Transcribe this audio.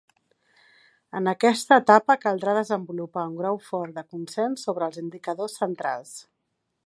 En aquesta etapa caldrà desenvolupar un grau fort de consens sobre els indicadors centrals.